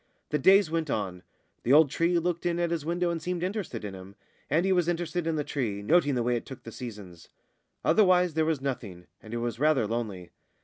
The days went on; the old tree looked in at his window and seemed interested in him, and he was interested in the tree, noting the way it took the seasons. Otherwise there was nothing, and it was rather lonely.